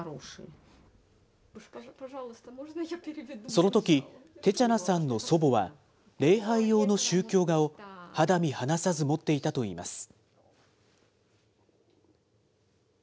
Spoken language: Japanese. そのとき、テチャナさんの祖母は、礼拝用の宗教画を肌身離さず持っていたといいます。